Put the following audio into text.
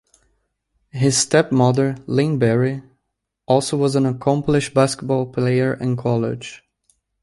His stepmother, Lynn Barry, also was an accomplished basketball player in college.